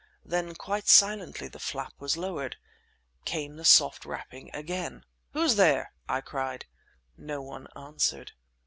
Then quite silently the flap was lowered. Came the soft rapping again. "Who's there?" I cried. No one answered.